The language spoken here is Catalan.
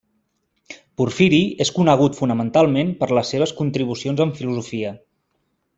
Porfiri és conegut fonamentalment per les seves contribucions en filosofia.